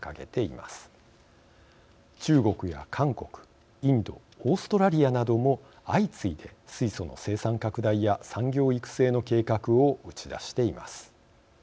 中国や韓国インドオーストラリアなども相次いで水素の生産拡大や産業育成の計画を打ち出しています。